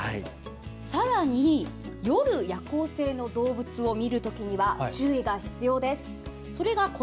さらに夜、夜行性の動物を見るときには注意が必要です。